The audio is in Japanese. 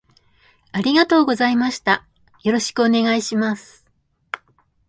ありがとうございましたよろしくお願いします